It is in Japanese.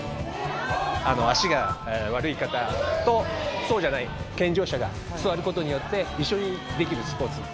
足が悪い方とそうじゃない健常者が座ることによって一緒にできるスポーツ。